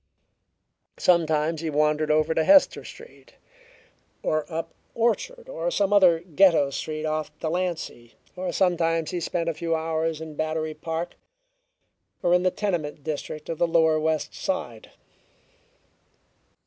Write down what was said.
Sometimes he wandered over to Hester Street, or up Orchard or some other Ghetto street off Delancey, or sometimes he spent a few hours in Battery Park or in the tenement district of the lower West Side.